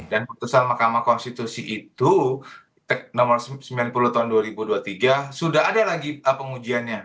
dan putusan mahkamah konstitusi itu nomor sembilan puluh tahun dua ribu dua puluh tiga sudah ada lagi pengujiannya